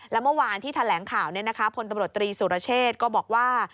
และเมื่อวานที่แถลงข่าวพลตำรวจตรีสุรเชษก็บอกว่า